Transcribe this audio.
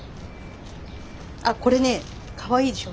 あこれねかわいいでしょ。